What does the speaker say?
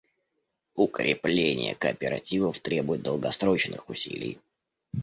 Укрепление кооперативов требует долгосрочных усилий.